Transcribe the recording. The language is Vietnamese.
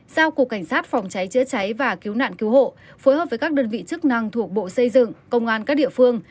giao cục cảnh sát phòng cháy chữa cháy và cứu nạn cứu hộ phối hợp với các đơn vị chức năng thuộc bộ xây dựng công an các địa phương